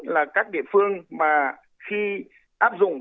là các địa phương mà khi áp dụng